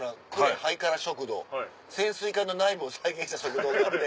潜水艦の内部を再現した食堂があって。